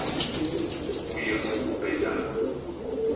U yé mut pénda.